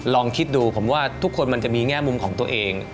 ลองคิดดูผมว่าทุกคนมันจะมีแง่มุมของตัวเอง